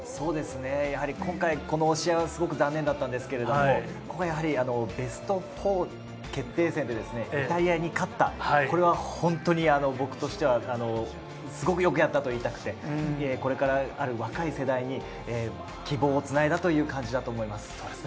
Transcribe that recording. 今回、この試合はすごく残念だったんですけれども、やはりベスト４決定戦でイタリアに勝った、これは本当に僕としては、すごくよくやったと言いたくて、これからある若い世代に希望をつないだという感じだと思います。